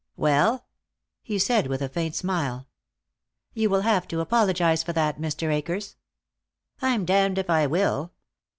"Well?" he said, with a faint smile. "You will have to apologize for that, Mr. Akers." "I'm damned if I will.